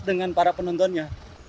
dengan para penontonnya